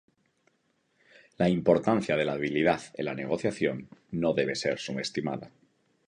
La importancia de la habilidad en la negociación no debe ser subestimada.